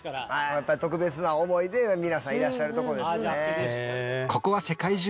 やっぱり特別な思いで皆さんいらっしゃるとこですね。